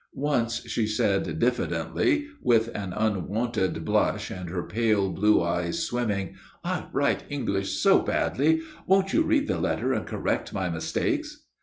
Once she said, diffidently, with an unwonted blush and her pale blue eyes swimming: "I write English so badly. Won't you read the letter and correct my mistakes?"